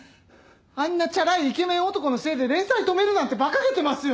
あんなチャラいイケメン男のせいで連載止めるなんてばかげてますよ！